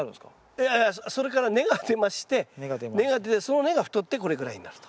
いやいやそれから根が出まして根が出てその根が太ってこれぐらいになると。